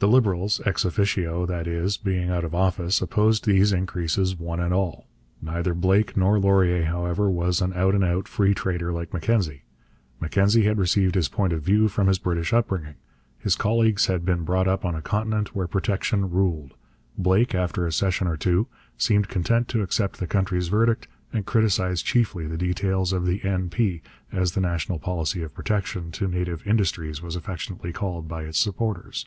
The Liberals, ex officio, that is, being out of office, opposed these increases one and all. Neither Blake nor Laurier, however, was an out and out free trader like Mackenzie. Mackenzie had received his point of view from his British upbringing; his colleagues had been brought up on a continent where protection ruled. Blake, after a session or two, seemed content to accept the country's verdict and criticized chiefly the details of the N.P., as the National Policy of Protection to Native Industries was affectionately called by its supporters.